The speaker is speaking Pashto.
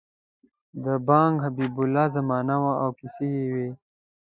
د بنګ حبیب الله زمانه وه او کیسې یې وې.